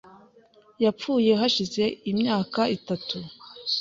Yapfuye hashize imyaka itatu .